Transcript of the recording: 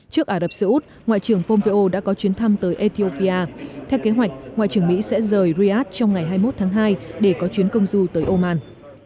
trước ả rập xê út ngoại trưởng pompeo đã có chuyến thăm tới ethiopia theo kế hoạch ngoại trưởng mỹ sẽ rời riyadh trong ngày hai mươi một tháng hai để có chuyến công du tới oman